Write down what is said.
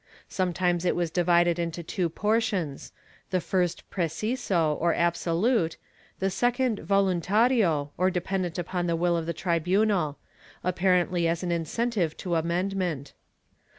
Sometimes it was divided into two portions, the first preciso or absolute, the second voluntario or dependent upon the will of the tribunal — apparently as an incentive to amendment.